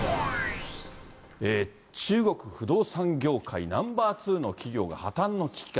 中国不動産業界ナンバーツーの企業が破綻の危機か。